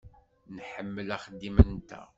Nḥemmel axeddim-nteɣ.